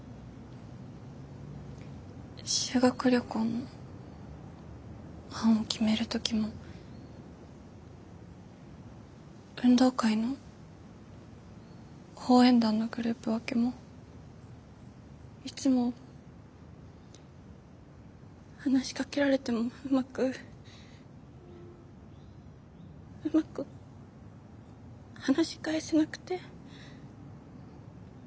修学旅行の班を決める時も運動会の応援団のグループ分けもいつも話しかけられてもうまくうまく話し返せなくて。